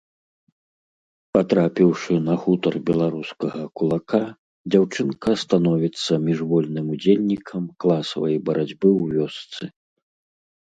Патрапіўшы на хутар беларускага кулака, дзяўчынка становіцца міжвольным удзельнікам класавай барацьбы ў вёсцы.